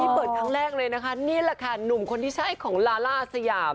เปิดครั้งแรกเลยนะคะนี่แหละค่ะหนุ่มคนที่ใช่ของลาล่าสยาม